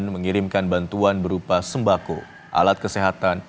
mengirimkan bantuan berupa sembako alat kesehatan